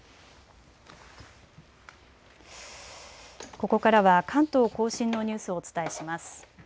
ここからは関東甲信のニュースをお伝えします。